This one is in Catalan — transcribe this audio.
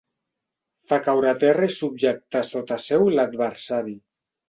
Fa caure a terra i subjectar sota seu l'adversari.